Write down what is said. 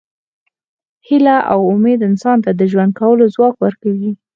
هیله او امید انسان ته د ژوند کولو ځواک ورکوي.